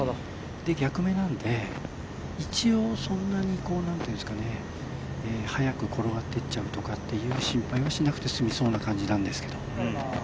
逆目なんで、一応そんなに速く転がってっちゃうっていう心配はしなくて済みそうな感じなんですけど。